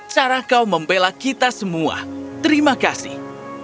cara kau membela kita semua terima kasih